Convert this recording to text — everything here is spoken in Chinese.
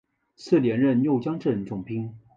次年任右江镇总兵。